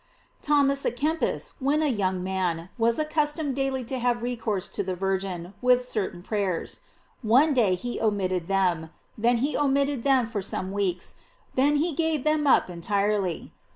"f Thomas a Kempis, when a young man, was accustomed daily to have recourse to the Virgin with certain prayers; one day he omitted them, then he * Opuse. c. 88. t Ep. 18B. GLORIES OF MARY. 645 omitted them for some weeks, then he gave them up entirely.